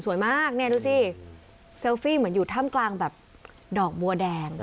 มากเนี่ยดูสิเซลฟี่เหมือนอยู่ถ้ำกลางแบบดอกบัวแดง